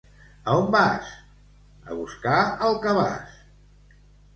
—A on vas? —A buscar el cabàs.